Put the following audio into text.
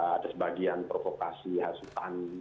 ada sebagian provokasi hasutan